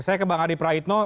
saya ke bang adi praitno